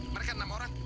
mereka enam orang